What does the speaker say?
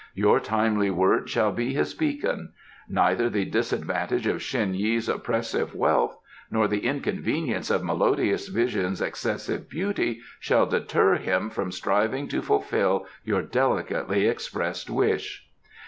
Your timely word shall be his beacon. Neither the disadvantage of Shen Yi's oppressive wealth nor the inconvenience of Melodious Vision's excessive beauty shall deter him from striving to fulfil your delicately expressed wish."